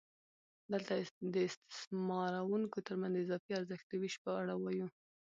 دلته د استثماروونکو ترمنځ د اضافي ارزښت د وېش په اړه وایو